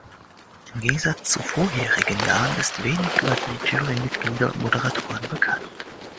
Im Gegensatz zu vorherigen Jahren ist wenig über die Jurymitglieder und Moderatoren bekannt.